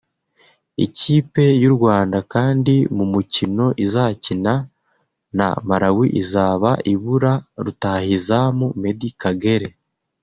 Ikipe y’u Rwanda kandi mu mukino izakina na Malawi izaba ibura Rutahizamu Meddie Kagere